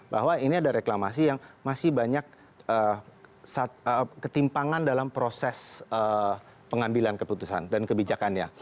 bahwa ini ada reklamasi yang masih banyak ketimpangan dalam proses pengambilan keputusan dan kebijakannya